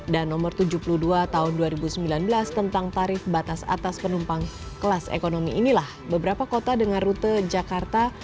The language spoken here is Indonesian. dan nomor tujuh puluh dua tahun dua ribu sembilan belas tentang tarif batas atas penumpang kelas ekonomi inilah beberapa kota dengan rute jakarta